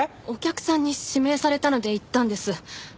お客さんに指名されたので行ったんです。